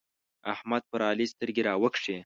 احمد پر علي سترګې راوکښې.